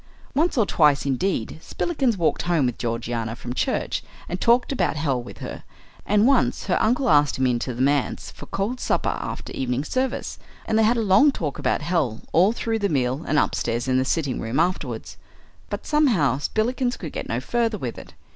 Once or twice, indeed, Spillikins walked home with Georgiana from church and talked about hell with her; and once her uncle asked him into the manse for cold supper after evening service, and they had a long talk about hell all through the meal and upstairs in the sitting room afterwards. But somehow Spillikins could get no further with it.